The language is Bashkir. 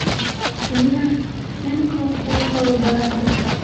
- Нимә... ен кеүек быуып алып бараһың?